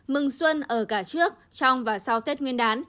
mừng xuân ở cả trước trong và sau tết nguyên đán